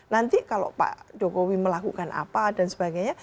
nanti kalau pak doko wim melakukan apa dan sebagainya